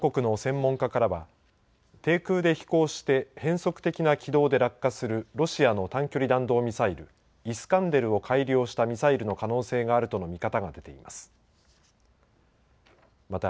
韓国の専門家からは低空で飛行して変則的な軌道で落下するロシアの短距離弾道ミサイルイスカンデルを改良したミサイルの可能性があると見方が出ています。